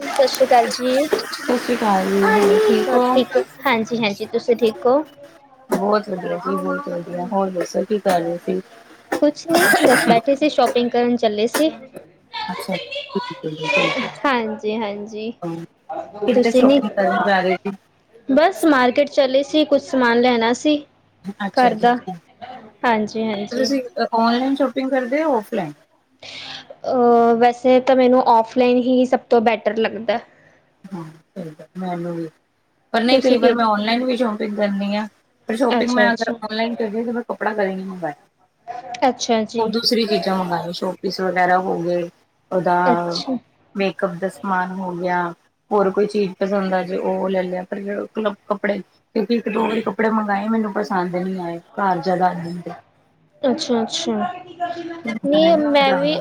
ਸਸੀ ਕਾਲ ਜੀ। ਸਸੀ ਕਾਲ ਜੀ। ਹੋਰ ਠੀਕ ਹੋ? ਹਾਂਜੀ-ਹਾਂਜੀ। ਤੁਸੀ ਠੀਕ ਹੋ? ਬਹੁਤ ਵਧੀਆ ਜੀ ਬਹੁਤ ਵਧੀਆ ਹੋਰ ਦੱਸੋ। ਕਰ ਰਹੇ ਸੀ ਕੁਛ ਨੀ ਬਸ ਬੈਠੇ ਸੀ। ਸ਼ੋਪਿੰਗ ਕਰਨ ਚੱਲੇ ਸੀ। ਅੱਛਾ, ਠੀਕ ਏ-ਠੀਕ ਏ। ਹਾਂਜੀ ਹਾਂਜੀ ਕਿਤੇ ਤੁਸੀਂ ਨੀ ਸੋਪਿੰਗ ਕਰਨ ਜਾ ਰਹੇ ਸੀ। ਬਸ ਮਾਰਕੀਟ ਚੱਲੇ ਸੀ, ਕੁਛ ਸਮਾਨ ਲੈਣਾ ਸੀ। ਅੱਛਾ ਜੀ ਅੱਛਾ। ਹਾਂਜੀ-ਹਾਂਜੀ। ਔਨਲਾਈਨ ਸ਼ੋਪਿੰਗ ਕਰਦੇ ਔਫਲਾਈਨ? ਅ ਵੈਸੇ ਤਾਂ ਮੈਨੂੰ ਔਫਲਾਈਨ ਹੀ ਸਭ ਤੋਂ ਬੈਟਰ ਲੱਗਦਾ। ਹਾਂ ਸਹੀ ਮੈਨੂੰ ਵੀ। ਪਰ ਨਹੀਂ ਕਈ ਤੁਸੀਂ ਵਾਰ ਕਿ ਮੈਂ ਔਨਲਾਈਨ ਵੀ ਸ਼ੋਪਿੰਗ ਕਰਨੀ ਆ। ਪਰ ਸ਼ੋਪਿੰਗ ਅੱਛਾ ਮੈਂ ਅਗਰ ਅੱਛਾ ਔਨਲਾਈਨ ਕਰਦੀ ਆ ਮੈਂ ਕੱਪੜਾ ਕਦੇ ਨੀ ਮੰਗਾਇਆ। ਅੱਛਾ ਉਹ ਜੀ ਦੂਸਰੀ ਚੀਜ਼ਾਂ ਮੰਗਾਈਆਂ। ਵਿਸਵ ਵਗੈਰਾ ਹੋ ਗਏ, ਓਦਾ ਅੱਛਾ ਮੇਕਅਪ ਦਾ ਸਮਾਨ ਹੋ ਗਿਆ। ਹੋਰ ਕੋਈ ਚੀਜ਼ ਪਸੰਦ ਆ ਜੇ ਉਹ ਲੈ ਲਿਆ ਕਰ ਕੱਲਾ ਕੱਪੜੇ ਕਿਉਕਿ ਇੱਕ-ਦੋ ਵਾਰੀ ਕੱਪੜੇ ਮੰਗਵਾਏ ਮੈਨੂੰ ਪਸੰਦ ਨੀ ਆਏ। ਘਰ ਜ਼ਿਆਦਾ ਆਦੇ ਅੱਛਾ ਅੱਛਾ। ਨਹੀਂ ਮੈਂ ਵੀ ਜ਼ਿਆਦਾ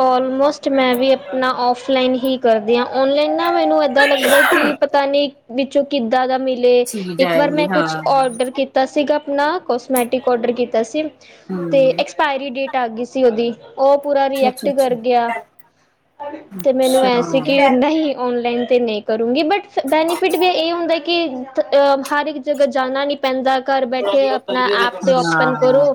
ਔਲਮੋਸਟ ਮੈਂ ਵੀ ਆਪਣਾ ਔਫਲਾਈਨ ਹੀ। ਕਰਦੇ ਆ। ਔਨਲਾਈਨ ਨਾ ਮੈਨੂੰ ਇੱਦਾ ਲਗਦਾ ਕੀ ਪਤਾ ਨੀ ਵਿੱਚੋਂ ਕਿੱਦਾਂ ਦਾ ਮਿਲੇ ਸੀ ਇੱਕ ਵਾਰ ਜਾਏਗੀ ਮੈਂ ਹਾਂ ਕੁਛ ਔਡਰ ਕੀਤਾ ਸੀਗਾ। ਨਾ ਕੋਸਮੈਟਿਕ ਔਡਰ ਕੀਤਾ ਸੀ, ਤੇ ਹਮ ਐਕਸਪਾਇਰੀ ਡੇਟ ਆ ਗਈ ਸੀ ਉਹਦੀ। ਉਹ ਪੂਰਾ ਅੱਛਾ ਰੀਐਕਟ ਅੱਛਾ ਕਰ ਗਿਆ। ਅੱਛਾ ਤੇ ਮੈਨੂੰ ਐ ਸੀ ਕਿ ਨਹੀਂ ਔਨਲਾਈਨ ਤੇ ਨਹੀਂ ਕਰੂੰਗੀ ਬਟ ਬੈਨੀਫਿਟ ਵੀ ਇਹ ਹੁੰਦਾ ਕਿ ਹਰ ਇੱਕ ਜਗ੍ਹਾ ਜਾਣਾ ਨੀ ਪੈਂਦਾ ਘਰ ਕੇ ਆਪਣਾ ਐਪ ਤੇ ਅੱਛਾ ਓਪਨ ਹਾਂ ਕਰੋ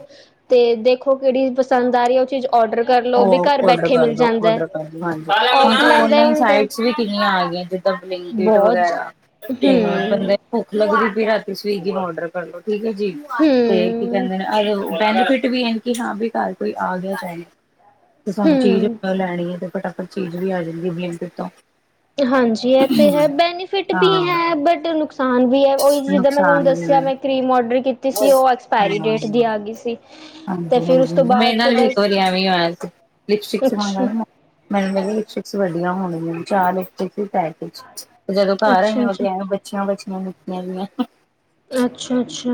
ਤੇ ਦੇਖੋ ਕਿਹੜੀ ਪਸੰਦ ਆ ਰਹੀ ਆ ਉਹ ਚੀਜ਼ ਔਡਰ ਕਰ [inaudible] ਲਓ ਵੀ ਉਹ ਘਰ ਔਡਰ ਬੈਠੇ ਮਿਲ ਕਰਦੋ ਜਾਂਦਾ ਹੈ ਔਡਰ ਕਰਦੋ ਹਾਂਜੀ, ਹੁਣ ਤਾਂ ਔਫਲਾਈਨ ਦਾ ਇਹ ਔਨਲਾਈਨ ਹੁੰਦਾ ਸਾਈਟਸ ਵੀ ਕਿੰਨੀਆ ਆ ਗਈ ਆ [unintelligible] ਬਹੁਤ ਵਗੈਰਾ ਇਹ ਹਮ ਬੰਦੇ ਭੁੱਖ ਲੱਗਦੀ ਪਈ ਏ ਰਾਤੀ ਸਵੀਗੀ ਔਡਰ ਕਰ ਲੋ ਠੀਕ ਏ ਜੀ। [unintelligible] ਹੂੰ ਬੈਨੀਫਿਟ ਵੀ ਹੈ ਹਾਂ ਵੀ ਘਰ ਕੋਈ ਆ ਗਿਆ ਤੇ ਸਾਨੂੰ ਚੀਜ਼ ਹਮ ਲੈਣੀ ਐ ਤੇ ਫਟਾਫਟ ਚੀਜ਼ ਵੀ ਆ ਜਾਂਦੀ ਬਲੈਂਕਿਟ ਤੋਂ। ਤੇ ਹਾਂਜੀ ਇਹ ਤੇ ਹੈ, ਬੈਨੀਫਿਟ ਵੀ ਹਾਂ ਹੈ ਬਟ ਨੁਕਸਾਨ ਵੀ ਹੈ ਉਹੀ ਜਿੱਦਾਂ ਮੈਂ ਤੁਹਾਨੂੰ ਨੁਕਸਾਨ ਵੀ ਦੱਸਿਆ ਹੈ ਮੈਂ ਕਰੀਮ ਔਡਰ ਕੀਤੀ ਸੀ ਉਹ ਐਕਸਪਾਇਰੀ ਡੇਟ ਦੀ ਹਾਂ ਆ ਗਈ ਸੀ ਤੇ ਹਾਂਜੀ ਫਿਰ ਉਸ ਹਾਂਜੀ ਤੋਂ ਮੇਰੇ ਬਾਅਦ ਤੇ ਨਾਲ ਵੀ ਇੱਕ ਬਸ ਵਾਰੀ ਐਵੇਂ ਹੋਇਆ ਸੀ ਲਿਪਸਟਿਕਸ ਅੱਛਾ, ਮੰਗਾਈਆ? ਮੈਨੂੰ ਲੱਗਿਆ ਲਿਪਸਟਿਕਸ ਵਧੀਆ ਹੋਣਗੀਆ, ਚਾਰ ਲਿਪਸਟਿਕਸ ਇੱਕ ਪੈਕ 'ਚ ਜਦੋਂ ਘਰ ਅੱਛਾ ਆਈਆਂ ਓਦੋ ਜੀ, ਆਏਂ ਬੱਛੀਆਂ -ਬੱਛੀਆਂ ਨਿੱਕੀਆਂ ਜਈਆ। ਅੱਛਾ- ਅੱਛਾ।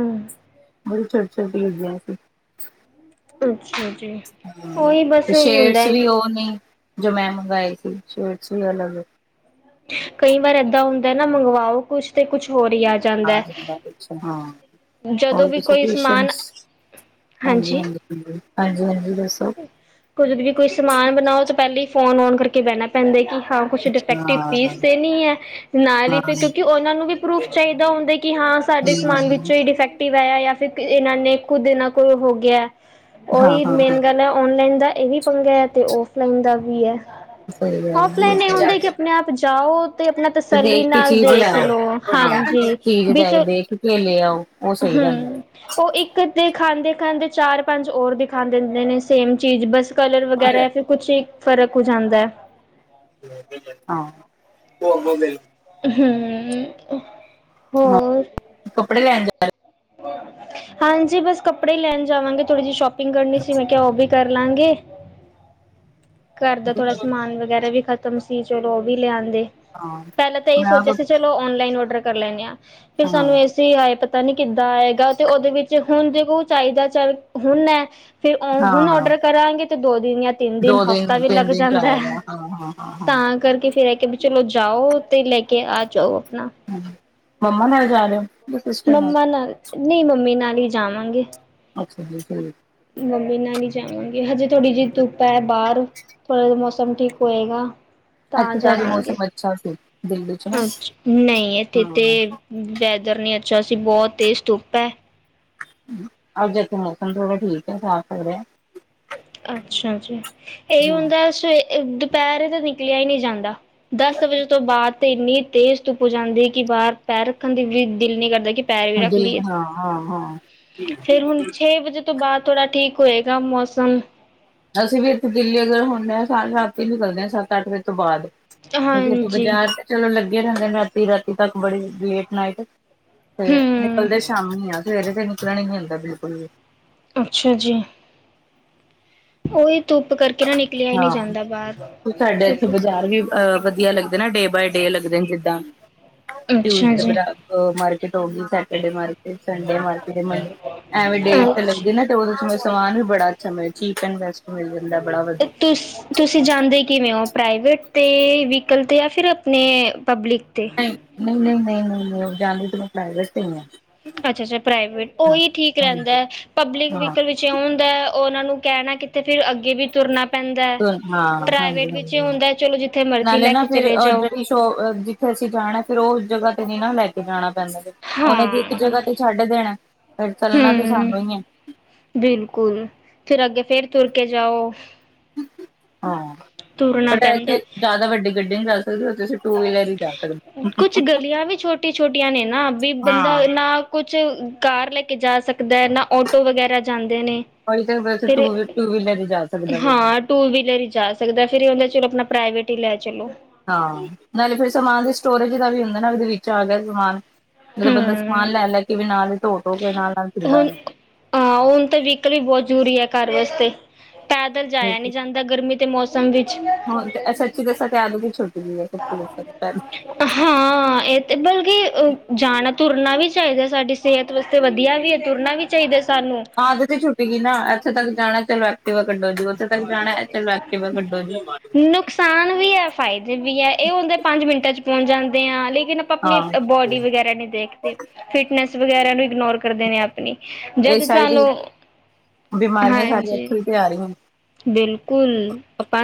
ਬੜੀ ਛੋਟੀਆ- ਛੋਟੀਆਂ ਜਈਆਂ ਸੀ। ਅੱਛਾ ਜੀ, ਉਹੀ ਬਸ ਉਹੀ ਹੁੰਦਾ ਏ। ਹੋ ਨੇ ਜੋ ਮੈਂ ਮੰਗਵਾਏ ਸੀ ਸਟਸ਼ ਵੀ ਅਲੱਗ ਕਈ ਵਾਰ ਏਦਾ ਹੁੰਦਾ ਨਾ ਮੰਗਵਾਓ ਕੁੱਛ, ਤੇ ਕੁਛ ਹੋਰ ਈ ਆਜ ਆ ਜਾਂਦਾ, [inaudible] ਜਦੋਂ ਹੋਰ ਵੀ ਤੁਸੀਂ ਕੋਈ ਟਿਊਸ਼ਨ ਸਮਾਨ [inaudible] ਹਾਂਜੀ। [unintelligible] ਹਾਂਜੀ-ਹਾਂਜੀ ਦੱਸੋ। ਕੁਝ ਵੀ ਕੋਈ ਸਮਾਨ ਬਣਾਓ ਤਾਂ ਪਹਿਲਾਂ ਹੀ ਫੋਨ ਔਨ ਕਰਕੇ ਬਹਿਣਾ ਪੈਂਦਾ ਕਿ ਹਾਂ ਕੁਛ ਹਾਂ ਡਿਫੈਕਟਿਵ ਹਾਂ ਪੀਸ ਤੇ ਨਹੀਂ ਐ। ਨਾਲ ਈ ਹਾਂ ਫਿਰ ਹਾਂ ਕਿਉਂਕਿ ਉਹਨਾਂ ਨੂੰ ਵੀ ਪਰੂਫ ਚਾਹੀਦਾ ਹੁੰਦਾ ਕਿ ਹਾਂ ਸਾਡੇ ਸਮਾਨ ਵਿੱਚੋਂ ਹੀ ਡਿਫੈਕਟ ਟਿਵ ਆਇਆ ਜਾਂ ਫਿਰ ਇਹਨਾਂ ਨੇ ਖੁਦ ਇਨ੍ਹਾਂ ਕੋ ਹੋ ਗਿਆ ਉਹੀ ਹਾਂ ਮੇਨ ਪਹਿਲਾਂ ਔਨਲਾਈਨ ਦਾ ਇਹ ਵੀ ਪੰਗਾ ਐ ਤੇ ਔਫਲਾਈਨ ਦਾ ਵੀ ਐ। ਸਹੀ ਔਫਲਾਈਨ ਇਹ ਗੱਲ ਹੁੰਦਾ ਕਿ ਆਪਣੇ ਆਪ ਜਾਓ ਤੇ ਆਪਣਾ ਤੇ ਤਸੱਲੀ ਦੇਖ ਨਾਲ ਦੇਖ ਲੋ। ਹਾਂਜੀ। ਠੀਕ ਤਾ ਏ, ਵਿੱਚ ਦੇਖ ਕੇ ਲਿਆਓ। ਹੂੰ ਉਹ ਇੱਕ ਦਿਖਾਂਦੇ- ਦਿਖਾਂਦੇ ਚਾਰ ਪੰਜ ਹੋਰ ਦਿਖਾਂ ਦਿੰਦੇ ਨੇ ਸੇਮ ਚੀਜ਼ ਬਸ ਕਲਰ ਵਗੈਰਾ ਐ ਹਾਂ ਜਾਂ ਫਿਰ ਕੁਛ ਫਰਕ ਹੋ ਜਾਂਦਾ ਐ। [unintelligible] ਹਮ [inaudible] ਹਾਂ ਹੋਰ ਕੱਪੜੇ ਲੈਣ ਜਾਣ [unintelligible] ਹਾਂਜੀ ਬਸ ਕੱਪੜੇ ਹੀ ਲੈਣ ਜਾਵਾਂਗੇ ਥੋੜੀ ਜਿਹੀ ਸ਼ੋਪਿੰਗ ਕਰਨੀ ਸੀ ਮੈਂ ਕਿਹਾ ਉਹ ਵੀ ਕਰ ਕਰ ਲਾਂਗੇ। ਘਰ ਦਾ ਥੋੜਾ ਸਮਾਨ ਵਗੈਰਾ ਵੀ ਖ਼ਤਮ ਸੀ ਚਲੋ ਉਹ ਵੀ ਲਿਆਂਂਦੇ। ਹਾਂ [inaudible] ਪਹਿਲਾਂ ਤਾਂ ਇਹੀ ਮੈਂ ਆਪ ਸੋਚਿਆ ਸੀ ਚਲੋ ਔਨਲਾਈਨ ਔਡਰ ਕਰ ਲੈਨੇ ਆ [inaudible] ਫਿਰ ਹਾਂ ਸਾਨੂੰ ਇਸ ਆਏ ਪਤਾ ਨੀ ਕਿੱਦਾਂ ਆਏਗਾ ਤੇ ਉਹਦੇ ਵਿੱਚ ਹੁਣ ਜੇ ਕੋ ਚਾਹੀਦਾ ਚੱਲ ਹੁਣ ਐ ਫਿਰ ਉਹ ਹੁਣ ਹਾਂ ਔਡਰ ਕਰਾਂਗੇ ਤੇ ਦੋ ਦਿਨ ਜਾਂ ਤਿੰਨ-ਦਿਨ ਦੋ ਹਫ਼ਤੇ [unintelligible] ਤਾਂ ਕਰਕੇ ਫੇਰ ਇਹ ਕੇ ਵੀ ਚਲੋ ਜਾਓ ਤੇ ਲੈ ਕੇ ਆ ਜਾਓ ਆਪਣਾ ਮੰਮਾ ਨਾਲ ਜਾ ਰਹੋ ਓ? ਮੰਮਾ ਨਾਲ ਨਹੀਂ ਮੰਮੀ ਨਾਲ ਈ ਜਾਵਾਂਗੇ। ਅੱਛਾ ਜੀ। ਮੰਮੀ ਨਾਲ ਨੀ ਜਾਵਾਂਗੇ ਹਜੇ ਥੋੜ੍ਹੀ ਜਿਹੀ ਧੁੱਪ ਐ ਬਾਹਰ ਥੋੜ੍ਹੇ ਜੇ ਮੌਸਮ ਠੀਕ ਹੋਏਗਾ। ਤਾਂ ਇੱਥੇ ਅੱਜ ਜਾਵਾਂਗੇ ਮੌਸਮ ਅੱਛਾ ਸੀ ਦਿੱਲੀ ਚ ਨਾ ਅੱਛਾ ਨਹੀਂ ਇਥੇ ਤੇ ਹਾਂ ਵੈਦਰ ਨਹੀਂ ਅੱਛਾ ਸੀ ਬਹੁਤ ਤੇਜ਼ ਧੁੱਪ ਐ। ਅੱਜ ਮੌਸਮ ਥੋੜ੍ਹਾ ਠੀਕ ਐ ਸਾਫ਼ ਹੋ ਰਿਹਾ। ਅੱਛਾ ਜੀ ਇਹੀ ਹੁੰਦਾ ਸਵੇ ਦੁਪਹਿਰੇ ਤਾਂ ਨਿਕਲਿਆ ਹੀ ਨਹੀਂ ਜਾਂਦਾ। ਦਸ ਵਜੇ ਤੋਂ ਬਾਅਦ ਤੇ ਇੰਨੀ ਤੇਜ਼ ਧੁੱਪ ਹੋ ਜਾਂਦੀ ਕਿ ਬਾਹਰ ਪੈਰ ਰੱਖਣ ਦੀ ਵੀ ਦਿਲ ਨੀ ਕਰਦਾ ਕਿ ਪੈਰ ਵੀ ਹਾਂ ਰੱਖ ਦਿਲ ਲਈਏ ਹਾਂ ਹਾਂ ਹਾਂ ਫੇਰ ਹੁਣ ਛੇ ਵਜੇ ਤੋਂ ਬਾਅਦ ਥੋੜਾ ਠੀਕ ਹੋਏਗਾ ਮੌਸਮ। ਅਸੀਂ ਵੀ ਇੱਥੇ ਦਿੱਲੀ ਅਗਰ ਹੁੰਦੇ ਹਾਂ ਰਾਤੀ ਨਿਕਲਦੇ ਹਾਂ ਸੱਤ-ਅੱਠ ਵਜੇ ਤੋਂ ਬਾਅਦ। ਹਾਂਜੀ ਬਾਜ਼ਾਰ ਤਾਂ ਚਲੋ ਲੱਗੇ ਰਹਿੰਦੇ ਰਾਤੀਂ-ਰਾਤੀ ਤੱਕ ਬੜੀ ਲੇਟ ਨਾਈਟ ਤੇ ਹੂੰ ਨਿਕਲਦੇ ਸ਼ਾਮੀ ਆ ਸਵੇਰੇ ਤੇ ਨਿਕਲਣ ਨੀ ਮਿਲਦਾ ਬਿਲਕੁਲ ਵੀ ਅੱਛਾ ਜੀ। ਉਹੀ ਧੁੱਪ ਕਰਕੇ ਨਾ ਨਿਕਲਿਆ ਈ ਨਹੀਂ ਹਾਂ। ਜਾਂਦਾ ਬਾਹਰ। ਸਾਡੇ ਇੱਥੇ ਧੁੱਪ ਬਾਜ਼ਾਰ ਵੀ ਅ ਵਧੀਆ ਲੱਗਦੇ ਨਾ ਡੇ ਬਾਏ ਡੇ ਲੱਗਦੇ ਨੇ ਜਿੱਦਾਂ ਅੱਛਾ ਟਿਊਜ਼ਡੇ ਜੀ ਬਰਾ ਮਾਰਕੀਟ ਹੋ ਗਈ Saturday market Sunday market Monday ਐਵੇਂ ਡੇ ਅੱਛਾ ਲੱਗਦੇ ਨਾ ਤੇ ਉਹਦੇ ਸਮਾਨ ਵੀ ਬੜਾ ਅਛਾ ਮਿਲ ਚੀਪ ਐਂ ਬੈਸਟ ਮਿਲ ਜਾਂਦਾ ਬੜਾ ਵਧੀਆ ਤੁ ਤੁਸੀਂ ਜਾਂਦੇ ਕਿਵੇਂ ਓ? ਪ੍ਰਾਈਵੇਟ ਤੇ ਵਹੀਕਲ ਤੇ ਜਾਂ ਫਿਰ ਆਪਣੇ ਪਬਲਿਕ ਤੇ। ਨਹੀਂ -ਨਹੀਂ, ਨਹੀਂ -ਨਹੀਂ, ਨਹੀਂ ਉਹ ਜਾਂਦੀ ਤਾਂ ਮੈਂ ਪ੍ਰਾਈਵੇਟ ਦੇਈ ਆ। ਅੱਛਾ-ਅੱਛਾ ਪ੍ਰਾਈਵੇਟ ਹਾਂ ਉਹੀ ਠੀਕ ਰਹਿੰਦਾ ਹਾਂਜੀ ਐ ਪਬਲਿਕ ਹਾਂ ਵਹੀਕਲ ਚਿਉਂਦਾ ਉਹ ਉਹਨਾਂ ਨੂੰ ਕਹਿਣਾ ਕਿਥੇ ਫਿਰ ਅੱਗੇ ਵੀ ਤੁਰਨਾ ਪੈਂਦਾ ਹੈ ਧੁਨ ਹਾਂ ਹਾਂਜੀ ਪ੍ਰਾਈਵੇਟ ਵਿੱਚ ਹਾਂਜੀ ਇਹ ਹਾਂਜੀ ਹੁੰਦਾ ਚਲੋ ਜਿੱਥੇ ਮਰਜ਼ੀ ਨਾਲੇ ਲੈ ਨਾ ਕੇ ਫਿਰ ਚਲੇ ਅ ਜਾਓ। ਜਿਹੜੀ ਜਿੱਥੇ ਅਸੀਂ ਜਾਣਾ ਫੇਰ ਉਹ ਜਗ੍ਹਾ ਤੇ ਨੀਂ ਨਾ ਲੈ ਕੇ ਜਾਣਾ ਪੈਂਦਾ। ਉਹਨੇ ਦੀ ਇੱਕ ਜਗ੍ਹਾ ਹਾਂ ਤੇ ਛੱਡ ਦੇਣਾ ਫਿਰ ਚੱਲਣਾ ਤਾਂ ਹਮ ਸਾਨੂੰ ਹੀ ਐ। ਬਿਲਕੁਲ ਫਿਰ ਅੱਗੇ ਫੇਰ ਤੁਰ ਕੇ ਜਾਓ। ਹਾਂ ਤੁਰਨਾ ਬਟ ਇਹ ਕੇ ਪੈਂਦਾ ਜ਼ਿਆਦਾ ਵੱਡੀ ਗੱਡੀ ਨ ਚੱਲ ਸਕਦੇ ਉਥੇ ਕੁਛ ਗਲੀਆਂ ਵੀ ਛੋਟੀ ਛੋਟੀਆਂ ਨੇ ਨਾ ਵੀ ਬੰਦਾ ਹਾਂ ਨਾ ਕੁਛ ਕਾਰ ਲੈ ਕੇ ਜਾ ਸਕਦਾ ਐ ਨਾ ਆਟੋ ਵਗੈਰਾ ਜਾਂਦੇ ਨੇ। ਤਾਂ ਵੈਸੇ ਫਿਰ ਟ ਟੂ ਵੀਲਰ ਹੀ ਜਾ ਸਕਦਾ ਫਿਰ। ਹਾਂ ਟੂ ਵੀਲਰ ਹੀ ਜਾ ਸਕਦਾ ਫਿਰ ਉਹਦਾ ਚਲੋ ਆਪਣਾ ਪ੍ਰਾਈਵੇਟ ਹੀ ਲੈ ਚਲੋ। ਹਾਂ ਨਾਲੇ ਫਿਰ ਸਮਾਨ ਦੇ ਸਟੋਰੇਜ ਦਾ ਵੀ ਹੁੰਦਾ ਨਾ ਉਹਦੇ ਵਿੱਚ ਆ ਗਿਆ ਸਮਾਨ ਮਤਲਬ ਬੰਦਾ ਸਮਾਨ ਹੂੰ ਲੈ ਲੈ ਕੇ ਵੀ ਨਾਲ ਹੀ ਟੋ ਟੋ ਹੋਵੇ ਨਾਲ ਨਾਲ ਇਦਾਂ ਹੁਣ ਹੋ ਹਾਂ ਹੁਣ ਤਾਂ ਵਹੀਕਲ ਵੀ ਬਹੁਤ ਜ਼ਰੂਰੀ ਹੈ ਘਰ ਵਾਸਤੇ ਪੈਦਲ ਜਾਇਆ ਨਹੀਂ ਜਾਂਦਾ ਗਰਮੀ ਦੇ ਮੌਸਮ ਮੌਸਮ ਵਿੱਚ ਹੁਣ ਤੇ ਸੱਚੀ ਦੱਸਾ ਤੇ ਆਲੂ ਦੀ ਛੋਟੀ ਜੀ ਐ ਸੱਚੀ ਦੱਸਾ ਹਾਂ ਇਹ ਤੇ ਬਲਕਿ ਜਾਣਾ ਤੁਰਨਾ ਵੀ ਚਾਹੀਦਾ। ਸਾਡੀ ਸਿਹਤ ਵਾਸਤੇ ਵਧੀਆ ਵੀ ਐ ਤੁਰਨਾ ਵੀ ਚਾਹੀਦਾ ਸੀ। ਆਦਤ ਤੇ ਛੁੱਟਗੀ ਨਾ, ਇੱਥੇ ਤੱਕ ਜਾਣਾ ਚਲੋਥ ਵਾ ਕੱਢੋ ਜੀ ਉੱਥੇ ਤੱਕ ਜਾਣਾ ਚੱਲ ਐਕਟਿਵਾ ਕੱਢੋ ਜੀ ਸਾਨ ਵੀ, ਐ ਫਾਇਦੇ ਵੀ ਐ, ਇਹ ਹੁੰਦੇ ਪੰਜ ਮਿੰਟਾਂ 'ਚ ਪਹੁੰਚ ਜਾਂਦੇ ਆ। ਲੇਕਿਨ ਆਪਣੀ ਹਾਂ ਬੋਡੀ ਵਗੈਰਾ ਨੀ ਦੇਖਦੇ, ਫਿਟਨੈਸ ਵਗੈਰਾ ਨੂੰ ਇਗਨੋਰ ਕਰਦੇ ਨੇ ਆਪਣੀ, ਇਹ ਜਦ ਸ਼ਾਇਦ ਸਾਨੂੰ ਹਾਂਜੀ ਤਿਆਰੀ ਹੁਣ ਬਿਲਕੁਲ, ਆਪਾਂ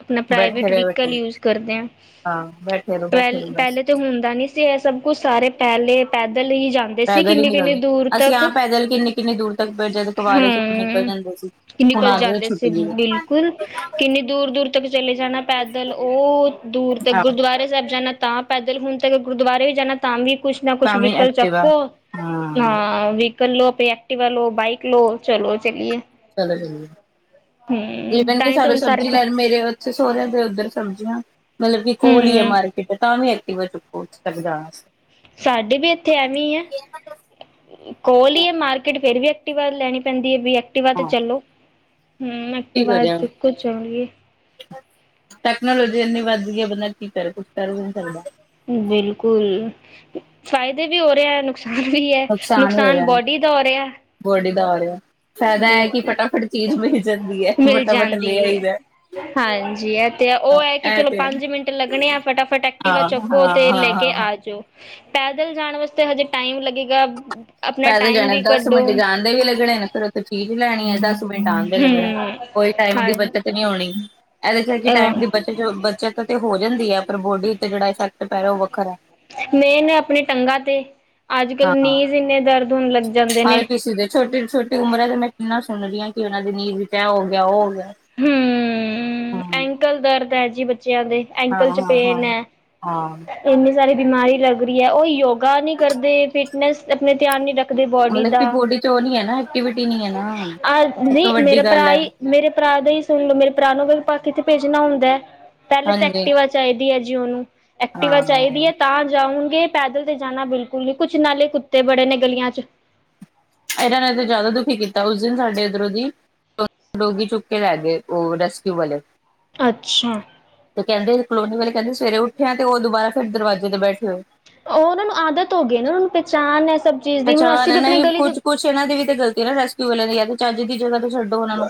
ਆਪਣਾ ਬੈਠੇ ਪ੍ਰਾਈਵੇਟ ਰਹੇ ਵਹੀਕਲ ਬੈਠੇ ਯੂਜ ਕਰਦੇ ਆਂ। ਹਾਂ ਬੈਠੇ ਰਹੋ ਬੈਠੇ ਰਹੋ ਬਸ ਪਹਿਲ-ਪਹਿਲੇ ਤਾਂ ਹੁੰਦਾ ਨੀ ਸੀ। ਐ ਸਭ ਕੁਛ ਸਾਰੇ ਪਹਿਲੇ ਪੈਦਲ ਹੀ ਜਾਂਦੇ ਸੀ ਪੈਦਲ ਹੀ ਕਿੰਨੀ ਕਿੰਨੀ ਨਿਕਲਦੇ, ਦੂਰ ਅਸੀਂ ਤੱਕ ਹਾਂ ਪੈਦਲ ਕਿੰਨੇ-ਕਿੰਨੇ ਦੂਰ ਤੱਕ, ਜਦ ਕਵਾਰੇ 'ਚ ਨਿਕਲ ਜਾਂਦੇ ਸੀ। ਕੀ ਹੁਣ ਨਿਕਲ ਆਦਤ ਜਾਂਦੇ ਛੁੱਟ ਸੀ। ਗਈ ਬਿਲਕੁਲ, ਕਿੰਨੀ ਦੂਰ-ਦੂਰ ਤੱਕ ਚਲੇ ਜਾਣਾ ਪੈਦਲ ਉਹ ਦੂਰ ਹੈ ਤੱਕ ਆਹ ਪੈਰੇ ਸਾਹਿਬ ਜਾਣਾ ਤਾਂ ਪੈਦਲ, ਹੋਣ ਤੇ ਗੁਰਦੁਆਰੇ ਵੀ ਜਾਣਾ ਤਾਂ ਵੀ ਕੁਛ ਨਾ ਕੁਛ ਭਾਵੇਂ ਵਿਕਲ ਐਕਟਿਵਾ ਚੱਕੋ। ਹਾਂ ਅ ਕਰ ਲੋ ਆਪ ਐਕਟੀਵਾ ਲੋ, ਬਾਈਕ ਲੋ, ਚਲੋ ਚਲੀਏ। ਚਲੋ ਚੱਲੀਏ, ਹਮ ਤਾਂ ਕਿ ਹੀ ਤਾਂ ਸਾਨੂੰ ਹੁਣ ਸਾਰੇ ਸਬਜ਼ੀ ਲੈਣ ਮੇਰੇ ਸੋਰਿਆਂ ਉਧਰ ਸਮਝੀਆਂ, ਮਤਲਬ ਕਿ ਕੋਲ ਹੀ ਐ ਹਮ ਮਾਰਕੀਟ, ਤਾਂ ਵੀ ਐਕਟਿਵਾ ਚੁੱਕੋ। ਉਥੇ ਹ [unintelligible] ਸਾਡੇ ਵੀ ਇੱਥੇ ਐਵੇਂ ਆ‌। ਕੋਲ ਏ ਮਾਰਕੀਟ, ਫੇਰ ਵੀ ਐਕਟੀਵਾ ਲੈਣੀ ਪੈਂਦੀ ਏ ਵੀ ਐਕਟਿਵਾ ਤੇ ਹਾਂ ਚਲੋ। ਹਮ ਕੀ ਐਕਟਿਵਾ ਕਰਿਆ ਚੁੱਕੋ ਚੱਲੀਏ। ਟੈਕਨੋਲੋਜੀ ਐੰਨੀ ਵੱਧ ਗਈ ਐ। ਬੰਦਾ ਕੀ ਕਰੇ ਕੁਛ ਕਰ ਵੀ ਨਹੀਂ ਸਕਦਾ। ਬਿਲਕੁਲ, ਫ਼ਾਇਦੇ ਵੀ ਹੋ ਰਿਹਾ। ਵੀ ਐ, ਵੀ ਹੋ ਨੁਕਸਾਨ ਰਿਹਾ ਬੋਡੀ ਦਾ ਹੋ ਰਿਹਾ। ਬੋਡੀ ਦਾ ਹੋ ਆ ਰਿਹਾ। ਫਾਇਦਾ ਐ ਕਿ ਬਿਲਕੁਲ ਫਟਾਫਟ ਚੀਜ਼ ਮਿਲ ਜਾਂਦੀ ਐ, ਮਿਲ ਫਟਾਫਟ ਜਾਂਦੀ ਹੈ ਲੇਆਈਦਾ। ਹਾਂਜੀ ਇਹ ਤੇ ਉਹ ਐ ਕਿ ਚਲੋ ਪੰਜ ਮਿੰਟ ਲੱਗਣੇ ਆ। ਫਟਾਫਟ ਐਕਟਿਵਾ ਆ ਹਾਂ ਹਾਂ ਚੱਕੋ ਹਾਂ ਤੇ ਲੈ ਕੇ ਹਾਂ ਹਾਂ ਆ ਜਾਓ। ਪੈਦਲ ਜਾਣ ਵਾਸਤੇ ਹਜੇ ਟਾਈਮ ਲੱਗੇਗਾ। ਆਪਣਾ ਪੈਦਲ ਟਾਈਮ ਜਾਣੇ ਵੀ ਦਸ ਕੱਢੋ ਮਿੰਟ ਜਾਣਦੇ ਵੀ ਲੱਗਣੇ ਨੇ। ਫਿਰ ਉੱਥੇ ਚੀਜ਼ ਲੈਣੀ ਐ। ਦਸ ਮਿੰਟ ਆਣ ਦੇ ਲੱਗਣੇ। ਕੋਈ ਟਾਈਮ ਦੀ ਹਮ ਬੱਚਤ ਨਹੀਂ ਹੋਣੀ। ਇਹਦੇ ਥੋੜੀ ਟਾਈਮ ਹਾਂ ਦੀ ਬਤ ਬੱਚਤ ਤੇ ਹੋ ਜਾਂਦੀ ਐ। ਪਰ ਬੋਡੀ ਉਤੇ ਜਿਹੜਾ ਇਫੈਕਟ ਪੈ ਰਿਹਾ ਉਹ ਵੱਖਰਾ ਐ। ਮੇਨ ਆਪਣੇ ਟੰਗਾਂ ਤੇ, ਅੱਜ ਕੱਲ ਹਾਂ। ਨੀਦ ਇੰਨੇ ਦਰਦ ਹੋਣ ਲੱਗੇ। ਹਰ ਕਿਸੇ ਦੇ ਛੋਟੀ-ਛੋਟੀ ਉਮਰ ਹੈ। ਤੇ ਮੈਂ ਕਿੰਨਾ ਸੁਣ ਰਹੀ ਹਾਂ। ਕਿ ਉਹਨਾਂ ਦੀ ਨੀਂਦ ਵਿੱਚ ਐ ਹੋ ਗਿਆ, ਉਹ ਹੋ ਗਿਆ। ਹਮ। ਹਾਂ। ਐਂਕਲ ਦਰਦ ਐ ਜੀ ਬੱਚਿਆਂ ਦੇ, ਹਾਂ ਐਂਕਲ ਚ ਹਾਂ ਹਾਂ। ਪੇਨ ਐ। ਹਾਂ। ਇੰਨੀ ਸਾਰੀ ਬਿਮਾਰੀ ਲੱਗ ਰਹੀ ਐ। ਉਹ ਯੋਗਾ ਨਹੀਂ ਕਰਦੇ, ਫਿਟਨੈਸ ਆਪਣੇ ਧਿਆਨ ਨਹੀਂ ਰੱਖਦੇ। ਰੱਖਦੇ ਬੋਡੀ ਮਤਲਬ ਦਾ, ਕਿ ਬੋਡੀ ਚ ਉਹ [unintelligible] ਨੀ ਹੈ ਨਾ ਐਕਟੀਵਿਟੀ ਨੀ ਹੈ ਨਾ ਆ ਸਭ ਨਹੀਂ ਤੋਂ ਮੇਰਾ ਵੱਡੀ ਗੱਲ ਭਰਾ ਹੈ ਹੀ ਮੇਰੇ ਭਰਾ ਦਾ ਹੀ ਸੁਣ ਲਓ। ਮੇਰੇ ਭਰਾ ਨੂੰ ਪਾ ਕਿਥੇ ਭੇਜਣਾ ਹੁੰਦਾ ਐ। ਪਹਿਲੇ ਤਾਂ ਹਾਂਜੀ। ਐਕਟਿਵਾ ਚਾਹੀਦੀ ਐ ਜੀ ਉਹਨੂੰ, ਐਕਟਿਵਾ ਹਾਂ। ਚਾਹੀਦੀ ਐ, ਤਾਂ ਜਾਊਂਗੇ। ਪੈਦਲ ਤੇ ਜਾਣਾ ਬਿਲਕੁਲ ਨਹੀਂ, ਕੁਛ ਨਾਲੇ ਕੁੱਤੇ ਬੜੇ ਨੇ ਗਲੀਆਂ 'ਚ। ਇਹਨਾਂ ਨੇ ਤਾਂ ਜ਼ਿਆਦਾ ਦੁਖੀ ਕੀਤਾ। ਉਸ ਦਿਨ ਸਾਡੇ ਇੱਧਰੋਂ ਦੀ ਡੋਗੀ ਚੁੱਕ ਕੇ ਲੈ ਗਏ। ਉਹ ਰੈਸਕਿਊ ਵਾਲੇ ਅੱਛਾ। ਤੇ ਕਹਿੰਦੇ ਕਲੋਨੀ ਵਾਲੇ ਕਹਿੰਦੇ ਸਵੇਰੇ ਉਠਿਆ, ਤੇ ਉਹ ਦੁਬਾਰਾ ਫਿਰ ਦਰਵਾਜ਼ੇ ਤੇ ਬੈਠੇ ਹੋਏ। ਉਹ ਉਹਨਾਂ ਨੂੰ ਆਦਤ ਹੋ ਗਈ ਨਾ ਉਹਨਾਂ ਨੂੰ ਪਹਿਚਾਣ ਐ। ਸਭ ਚੀਜ਼ ਦੀ ਹੁਣ ਪਹਿਚਾਣ ਅਸੀਂ ਹੈ ਵੀ ਆਪਣੇ ਨਹੀਂ ਗਲੀ ਦੀ ਕੁਛ ਕੁਛ ਇਹਨਾਂ ਦੀ ਵੀ ਤਾ ਗਲਤੀ ਐ ਨਾ, ਰੈਸਕਿਊ ਵਾਲਿਆਂ ਦੀ ਹੈ ਤੇ ਚੱਜ ਦੀ ਜਗ੍ਹਾ ਤੋਂ ਛੱਡੋ ਉਹਨਾਂ ਨੂੰ,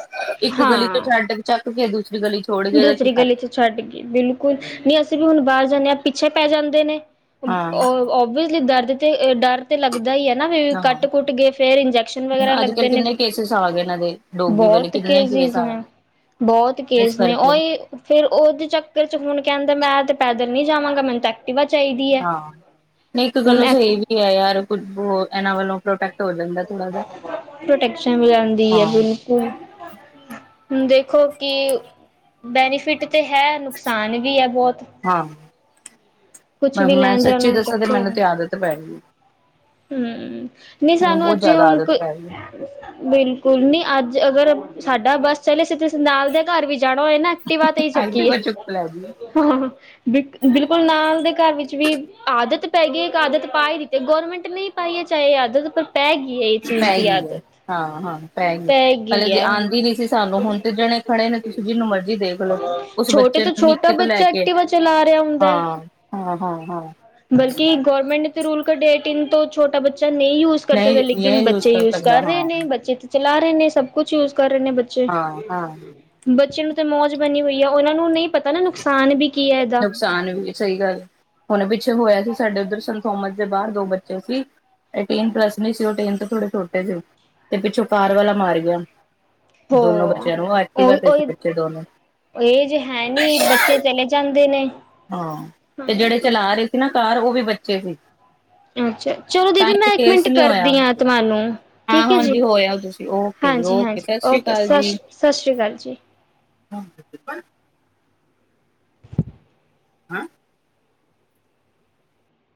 ਇੱਕ ਗਲੀ ਤੋਂ ਹਾਂ ਛੱਡ ਚੱਕ ਕੇ ਦੂਸਰੀ ਗਲੀ 'ਚ ਦੂਸਰੀ ਗਲੀ 'ਚ ਛੱਡ ਗਈ, ਬਿਲਕੁਲ ਨਹੀਂ ਅਸੀਂ ਵੀ ਹੁਣ ਬਾਹਰ ਜਾਂਦੇ ਹਾਂ ਪਿੱਛੇ ਪੈ ਜਾਂਦੇ ਨੇ। ਅ ਹਾਂ ਓਬਵੀਅਸਲੀ ਦਰਦ ਤੇ ਇਹ ਡਰ ਤੇ ਲੱਗਦੈ ਈ ਹੈ ਨਾ ਵੀ, ਹਾਂ। ਕੱਟ-ਕੁੱਟ ਗੇ ਫਿਰ ਇੰਜੈਕਸ਼ਨ ਵਗੈਰਾ ਹੁਣ ਅੱਜ ਲੱਗਦੇ ਨੇ। [unintelligible] ਵਾਲੇ ਬਹੁਤ ਕਿੰਨੇ ਕੇਸ ਕੇਜਿਜ ਆ ਨੇ ਗਏ ਬਹੁਤ ਇਸ ਕੇਸ ਨੇ ਕਰਕੇ ਉਹੀ ਫੇਰ ਫਿਰ ਉਹਦੇ ਚੱਕਰ 'ਚ ਹੁਣ ਕਹਿੰਦਾ ਮੈਂ ਤੇ ਪੈਦਲ ਨੀ ਜਾਵਾਂਗਾ, ਮੈਨੂੰ ਤਾਂ ਐਕ ਐਕਟਿਵਾ ਚਾਹੀਦੀ ਅ ਹਾਂ, ਨਹੀਂ ਇੱਕ ਗੱਲੋਂ ਸਹੀ ਵੀ ਐ ਯਾਰ ਕੁੱਝ ਬਹੁ ਇਹਨਾਂ ਵੱਲੋਂ ਪ੍ਰੋਟੈਕਟ ਹੋ ਜਾਂਦਾ ਥੋੜਾ ਜਿਆ ਪ੍ਰੋਟੈਕਸ਼ਨ ਵੀ ਆਉਂਦੀ [inaudible] ਹਾਂ। [inaudible] ਦੇਖੋ ਕਿ ਬੈਨੀਫਿਟ ਤੇ ਹੈ ਨੁਕਸਾਨ ਵੀ ਐ ਬਹੁਤ। ਹਾਂ, ਕੁਛ ਮ ਵੀ ਮੈਂ ਲੈਣ ਜਾਣਾ ਸੱਚੀ ਹੋ ਦੱਸਾਂ ਤੇ ਚੱਕੋ ਮੈਨੂੰ ਤੇ ਆਦਤ ਪੈ ਗਈ ਐ। ਹਮ, ਨਹੀਂ ਸਾਨੂੰ ਅਜੇ ਜ਼ਿਆਦਾ ਹੁਣ ਆਦਤ ਕੋਈ ਪੈ ਗਈ ਬਿਲਕੁਲ ਨਹੀਂ ਅੱਜ ਅਗਰ ਸਾਡਾ ਬੱਸ ਚਲੇ, ਅਸੀ ਕਿਸੇ ਨਾਲ ਦੇ ਘਰ ਵੀ ਜਾਣਾ ਹੋਏ ਨਾ ਤੇ ਐਕਟਿਵਾ ਤੇ ਈ ਚੱਕੀਏ। ਐਕਟਿਵਾ ਚੁੱਕ ਲੈ ਗਈ ਬ ਬਿਲਕੁਲ ਨਾਲ ਦੇ ਘਰ ਵਿੱਚ ਵੀ ਆਦਤ ਪੈ ਗਈ ਇੱਕ ਆਦਤ ਪਾਏ ਦਿੱਤੀ ਏ ਗੌਰਮੈਂਟ ਨਹੀਂ ਪਾਈਏ ਚਾਹੇ ਆਦਤ ਪਾ ਪੈ ਗਈ ਐ, ਹਾਂ-ਹਾਂ ਪੈ ਗਈ, ਪਹਿਲੇ ਗਈ ਜੇ ਹੈ ਹੁਣ ਆਉਂਦੀ ਨੀ ਸੀ ਸਾਨੂੰ ਹੁਣ ਤੇ ਜਣੇ ਖਣੇ ਨੂੰ ਤੁਸੀਂ ਜਿਹਨੂੰ ਮਰਜ਼ੀ ਦੇਖ ਲਓ, ਉਸ ਛੋਟੇ ਬੱਚੇ ਤੋਂ ਨੂੰ ਛੋਟਾ ਨਿੱਕੇ ਤੋਂ ਲੈ ਬੱਚਾ ਕੇ, ਐਕਟੀਵਾ ਚਲਾ ਰਿਹਾ ਹੁੰਦਾ ਹੈ ਹਾਂ। ਹਾਂ-ਹਾਂ-ਹਾਂ। ਬਲਕਿ ਗਵਰਮੈਂਟ ਨੇ ਤਾਂ ਰੂਲ ਕਢਿੱਆ ਏ, ਟੈਨ ਤੋਂ ਛੋਟਾ ਬੱਚਾ ਨਹੀਂ ਜੁਊ ਯੂਜ਼ ਕਰ ਸਕਦੇ। ਨਹੀਂ ਲੇਕਿਨ ਨਹੀਂ ਬੱਚੇ ਯੂਜ ਸਕਦਾ ਕਰ ਹਾਂ ਰਹੇ ਨ, ਬੱਚੇ ਤਾਂ ਚਲਾ ਰਹੇ ਨੇ, ਸਭ ਕੁੱਛ ਯੂਜ ਕਰ ਰਹੇ ਨੇ ਬੱਚੇ। ਹਾਂ-ਹਾਂ। ਬੱਚਿਆਂ ਨੂੰ ਤਾਂ ਮੌਜ ਬਣੀ ਹੋਈ ਵੀ ਐ, ਉਹਨਾਂ ਨੂੰ ਨਹੀਂ ਪਤਾ ਨਾ ਨੁਕਸਾਨ ਵੀ ਕੀ ਹੈ ਇਹਦਾ। ਨੁਕਸਾਨ ਵੀ ਐ, ਸਹੀ ਗੱਲ ਐ। ਹੁਣ ਪਿੱਛੇ ਹੋਇਆ ਸੀ ਸਾਡੇ ਉਧਰ ਸੰਨਥੋਮਸ ਦੇ ਬਾਹਰ ਦੋ ਬੱਚੇ ਸੀ ਇਹਟੇਨ ਪਲੱਸ ਨਹੀਂ ਸੀ, ਉਹ ਟੈਨ ਤੋਂ ਥੋੜੇ ਛੋਟੇ ਸੀ ਤੇ ਪਿੱਛੋਂ ਕਾਰ ਵਾਲਾ ਮਾਰ ਗਿਆ। ਹੋ, ਦੋਨੋ ਬੱਚਿਆਂ ਨੂੰ ਉਹ ਐਕਟਿਵਾ ਤੇ ਸੀ ਉਹੀ-ਉਹੀ ਬੱਚੇ ਦੋਨੋ [inaudible] ਏਜ਼ ਹੈਨੀ ਬੱ ਚੇ ਚਲੇ ਜਾਂਦੇ ਨੇ। ਹਾਂ ਤੇ ਜਿਹੜੇ ਹਾਂਜੀ ਚਲਾ ਰਹੇ ਸੀ ਨਾ ਕਾਰ, ਉਹ ਵੀ ਬੱਚੇ ਸੀ। ਅੱਛਾ, ਚਲੋ ਤਾਂ ਦੀਦੀ ਹੀ ਇੱਕ ਕੇਸ ਮਿੰਟ ਨਹੀਂ ਹੋਇਆ ਕਰਦੀ ਆ ਤੁਹਾਨੂੰ। ਹਾਂ ਠੀਕ ਐ ਜੀ, ਹਾਂਜੀ ਹੋਇਆ ਤੁਸੀਂ ਓਕੇ ਜੀ ਓਕੇ ਹਾਂਜੀ-ਹਾਂਜੀ ਸਤਿ ਸ੍ਰੀ ਓਕੇ ਅਕਾਲ ਸਤ ਜੀ ਸ਼ ਸਤਿ ਸ਼੍ਰੀ ਅਕਾਲ ਜੀ। [unintelligible] ਹੈਂ?